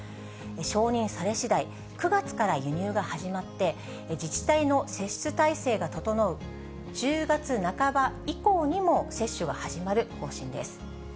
承認されしだい、９月から輸入が始まって、自治体の接種体制が整う１０月半ば以降にも接種は始まる方針です。